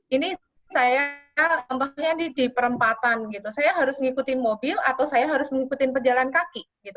ini saya tentunya di perempatan saya harus mengikuti mobil atau saya harus mengikuti pejalan kaki